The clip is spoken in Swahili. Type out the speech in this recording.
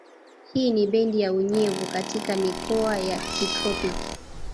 Hii ni bendi ya unyevu katika mikoa ya kitropiki